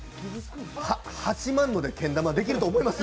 は、は、８万のでけん玉できると思います？